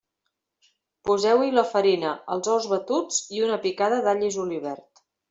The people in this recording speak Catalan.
Poseu-hi la farina, els ous batuts i una picada d'all i julivert.